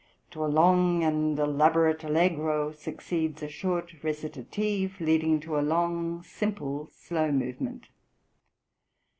To a long and elaborate allegro succeeds a short recitative leading to a long, simple slow movement.